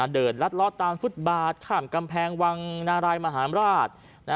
เดินลัดล้อตามฟุตบาทข้ามกำแพงวังนารายมหาราช